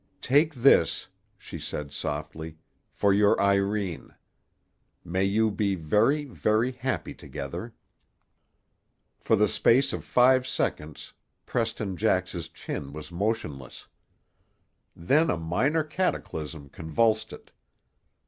"Take this," she said softly, "for your Irene. May you be very, very happy together!" For the space of five seconds Preston Jax's chin was motionless. Then a minor cataclysm convulsed it.